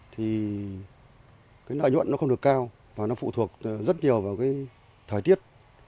thì nợ nhuận không được cao và nó phụ thuộc rất nhiều vào thời tiết